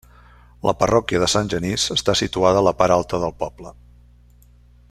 La Parròquia de Sant Genís està situada a la part alta del poble.